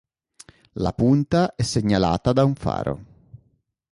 La punta è segnalata da un faro.